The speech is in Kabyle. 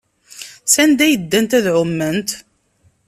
Sanda ay ddant ad ɛument?